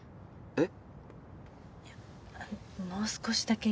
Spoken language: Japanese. えっ？